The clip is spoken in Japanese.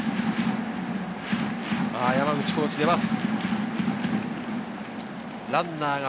山口コーチが出ます。